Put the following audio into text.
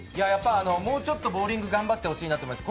もうちょっとボウリング頑張ってほしいなと思います。